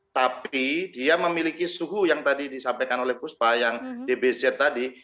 tapi dia memiliki suhu yang tadi disampaikan oleh puspa yang dbz tadi